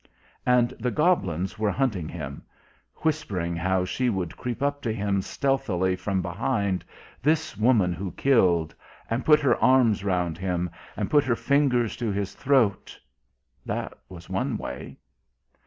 And the goblins were hunting him; whispering how she would creep up to him stealthily from behind, this woman who killed ... and put her arms round him, and put her fingers to his throat that was one way.